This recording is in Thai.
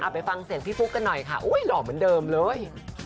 ไปฟังเสียงพี่ฟุ๊กกันหน่อยค่ะหล่อเหมือนเดิมเลย